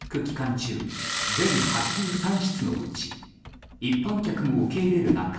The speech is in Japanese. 中全８３室のうち一般客も受け入れる中